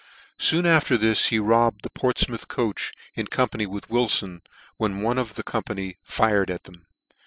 Soon after this he robbed the Portfmouth coach, in company with Wilfon, when one of the company tired at them.